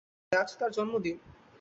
আরে, আজ তার জন্মদিন!